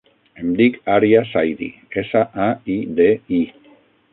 Em dic Arya Saidi: essa, a, i, de, i.